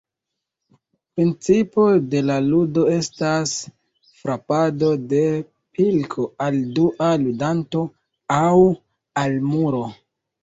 Principo de la ludo estas frapado de pilko al dua ludanto aŭ al muro.